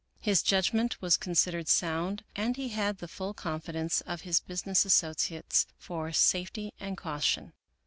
His judgment was considered sound, and he had the full confidence of his business associates for safety and caution.